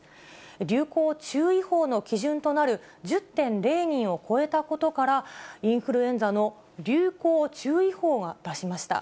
流行注意報の基準となる１０．０人を超えたことから、インフルエンザの流行注意報を出しました。